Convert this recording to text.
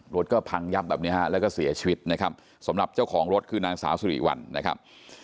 รถก็พังยับแบบนี้ฮะแล้วก็เสียชีวิตนะครับสำหรับเจ้าของรถคือนางสาวสุริวัลนะครับ